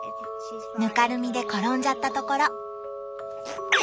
ぬかるみで転んじゃったところ。